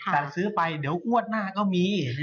แต่ซื้อไปเดี๋ยวงวดหน้าก็มี